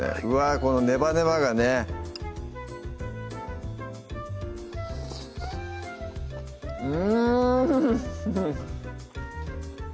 このネバネバがねうん！